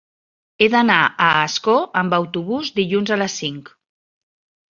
He d'anar a Ascó amb autobús dilluns a les cinc.